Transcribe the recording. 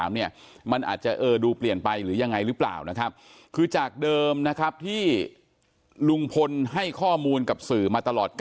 มันอาจจะดูเปลี่ยนไปหรือยังไงหรือเปล่านะครับคือจากเดิมนะครับที่ลุงพลให้ข้อมูลกับสื่อมาตลอด๙